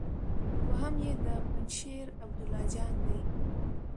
دوهم يې د پنجشېر عبدالله جان دی.